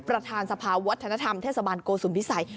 ประธานสภาวัฒนธรรมเทศบาลโกสุมพิสัย